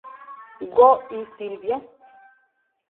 Who is Sylvia?